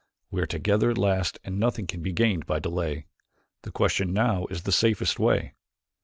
We are together at last and nothing can be gained by delay. The question now is the safest way.